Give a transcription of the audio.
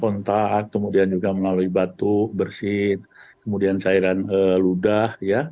kontak kemudian juga melalui batuk bersih kemudian cairan ludah